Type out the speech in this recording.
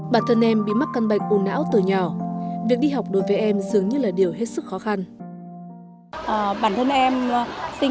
bản thân em bị mắc căn bệnh u não từ nhỏ việc đi học đối với em dường như là điều hết sức khó khăn